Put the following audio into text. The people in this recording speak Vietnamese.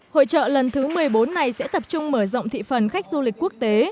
hội trợ lần thứ một mươi bốn này sẽ tập trung mở rộng thị phần khách du lịch quốc tế